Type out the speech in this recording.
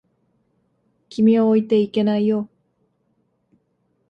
君を置いていけないよ。